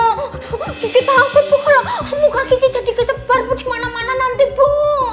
ki takut bu kalau muka ki jadi kesebar di mana mana nanti bu